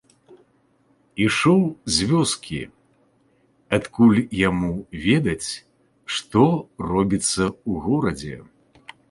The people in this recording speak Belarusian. Ішоў з вёскі, адкуль яму ведаць, што робіцца ў горадзе.